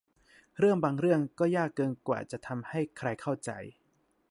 เรื่องบางเรื่องก็ยากเกินกว่าจะทำให้ใครเข้าใจ